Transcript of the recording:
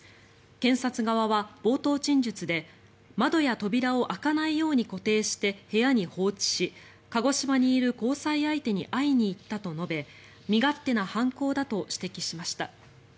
検察側は、冒頭陳述で窓や扉を開かないように固定して部屋に放置し鹿児島にいる交際相手に会いに行ったと述べ身勝手な犯行だと指摘しました。